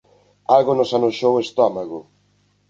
Algo nos anoxou o estómago.